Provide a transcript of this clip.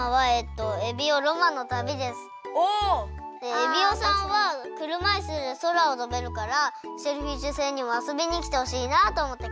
エビオさんはくるまいすでそらをとべるからシェルフィッシュ星にもあそびにきてほしいなとおもってかきました。